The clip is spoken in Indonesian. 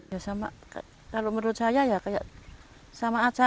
ya sama kalau menurut saya ya kayak sama aja